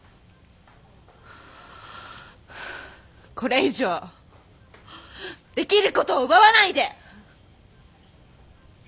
これ以上できることを奪わないで！